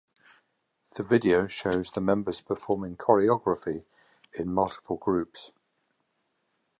The video shows the members performing choreography in multiple groups.